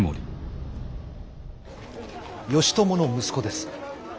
義朝の息子です。